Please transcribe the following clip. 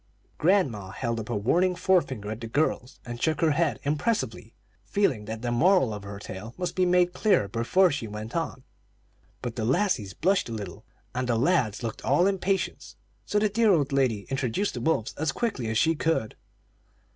Grandma held up a warning forefinger at the girls, and shook her head impressively, feeling that the moral of her tale must be made clear before she went on. But the lassies blushed a little, and the lads looked all impatience, so the dear old lady introduced the wolves as quickly as she could.